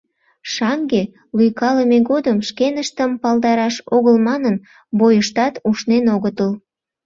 Шаҥге лӱйкалыме годым, шкеныштым палдараш огыл манын, бойыштат ушнен огытыл.